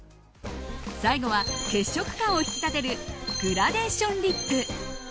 最後は、血色感を引き立てるグラデーションリップ。